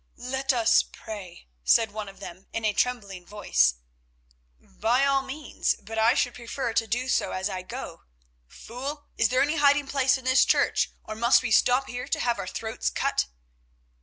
"Let us pray," said one of them in a trembling voice. "By all means, but I should prefer to do so as I go. Fool, is there any hiding place in this church, or must we stop here to have our throats cut?"